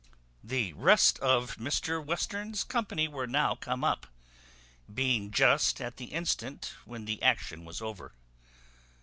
The rest of Mr Western's company were now come up, being just at the instant when the action was over.